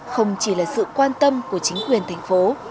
không chỉ là sự quan tâm của chính quyền thành phố